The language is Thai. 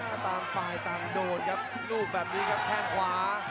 หน้าตามฝ่ายตามโดดครับนูบแบบนี้ครับแท่งขวา